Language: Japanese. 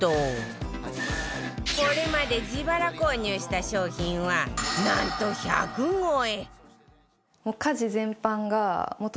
これまで自腹購入した商品はなんと１００超え